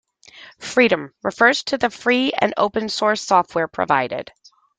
"Freedom" refers to the free and open source software provided.